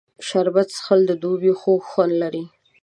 شربت څښل د دوبي خوږ خوند لري